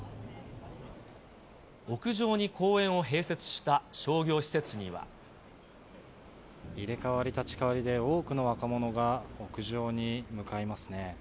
屋上に公園を併設した商業施入れ代わり立ち代わりで、多くの若者が屋上に向かいますね。